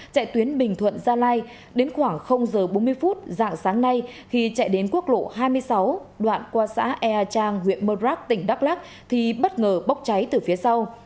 chạy tuyến bình thuận gia lai đến khoảng h bốn mươi phút dạng sáng nay khi chạy đến quốc lộ hai mươi sáu đoạn qua xã ea trang huyện mơ rác tỉnh đắk lắc thì bất ngờ bốc cháy từ phía sau